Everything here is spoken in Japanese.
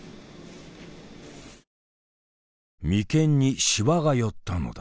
眉間にしわが寄ったのだ。